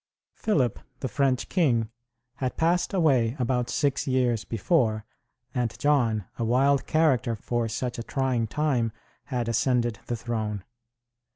Philip, the French king, had passed away about six years before, and John, a wild character for such a trying time, had ascended the throne.